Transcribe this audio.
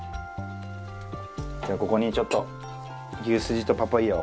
じゃあここにちょっと牛すじとパパイヤを。